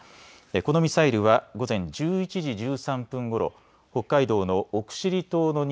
このミサイルは午前１１時１３分ごろ、北海道の奥尻島の西